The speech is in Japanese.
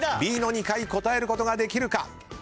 Ｂの２階答えることができるか？